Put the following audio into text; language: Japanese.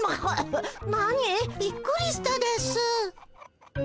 びっくりしたですぅ。